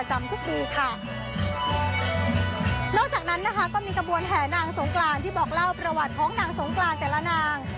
ทุกปีค่ะนอกจากนั้นนะคะก็มีกระบวนแห่นางสงกรานที่บอกเล่าประวัติของนางสงกรานแต่ละนาง